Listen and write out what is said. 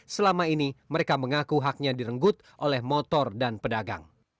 selama ini mereka mengaku haknya direnggut oleh motor dan pedagang